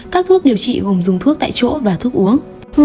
các thuốc điều trị gồm dùng thuốc tại chỗ và thuốc uống